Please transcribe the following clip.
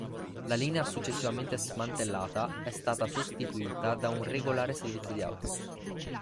La linea, successivamente smantellata, è stata sostituita da un regolare servizio di autobus.